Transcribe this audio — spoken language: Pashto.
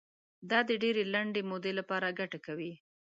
دا د ډېرې لنډې مودې لپاره ګټه کوي.